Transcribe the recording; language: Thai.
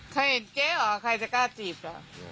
เห็นเจ๊เหรอใครจะกล้าจีบเหรอ